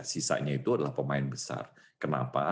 sisanya itu adalah pemain besar kenapa